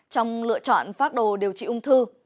trong lựa chọn pháp đồ điều trị ung thư